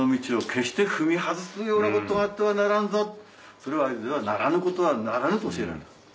それを会津では「ならぬことはならぬ」と教えられた。